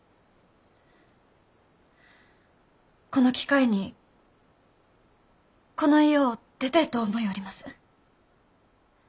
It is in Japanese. この機会にこの家を出てえと思ようります。